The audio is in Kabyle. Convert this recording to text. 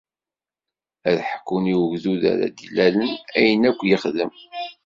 Ad ḥkun i ugdud ara d-ilalen, ayen akk yexdem.